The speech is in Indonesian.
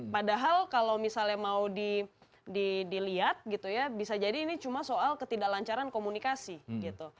padahal kalau misalnya mau dilihat gitu ya bisa jadi ini cuma soal ketidaklancaran komunikasi gitu